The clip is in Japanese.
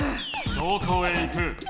どこへ行く。